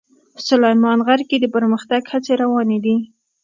سلیمان غر کې د پرمختګ هڅې روانې دي.